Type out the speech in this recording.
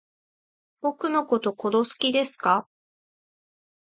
僕のこと殺す気ですか